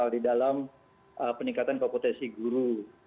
di dalam peningkatan kompetensi guru